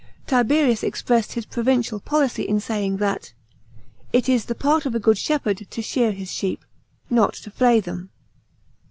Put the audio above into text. Tiberius expressed his provincial policy in saying that " it is the part of a good shepherd to shear his sheep, not to flay them.'